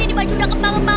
ini baju udah kembang